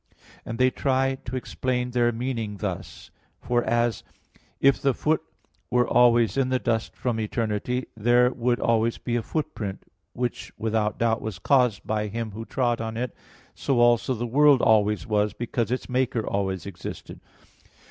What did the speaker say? "And they try to explain their meaning thus (De Civ. Dei x, 31): for as, if the foot were always in the dust from eternity, there would always be a footprint which without doubt was caused by him who trod on it, so also the world always was, because its Maker always existed."